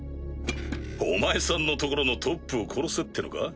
お前さんのところのトップを殺せってのか？